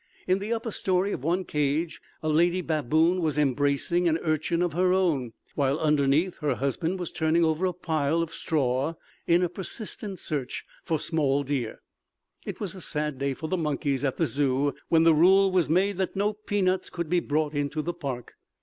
In the upper story of one cage a lady baboon was embracing an urchin of her own, while underneath her husband was turning over a pile of straw in a persistent search for small deer. It was a sad day for the monkeys at the Zoo when the rule was made that no peanuts can be brought into the park.